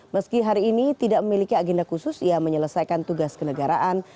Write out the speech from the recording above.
meski hari ini tidak memiliki agenda khusus ia menyelesaikan tugas kenegaraan